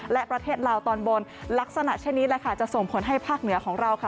และประเทศลาวตอนบนลักษณะเช่นนี้แหละค่ะจะส่งผลให้ภาคเหนือของเราค่ะ